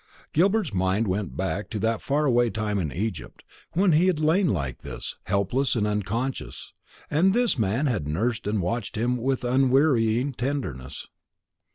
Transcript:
Gilbert's mind went back to that far away time in Egypt, when he had lain like this, helpless and unconscious, and this man had nursed and watched him with unwearying tenderness.